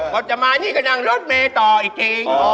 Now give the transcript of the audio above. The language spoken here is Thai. ก็จะมาที่กระนั่งรถเมตรอีกจริง